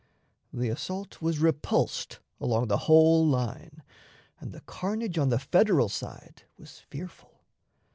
The assault was repulsed along the whole line, and the carnage on the Federal side was fearful.